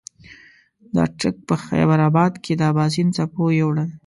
د اټک په خېبر اباد کې د اباسین څپو یوړل.